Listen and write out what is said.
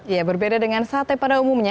ya berbeda dengan sate pada umumnya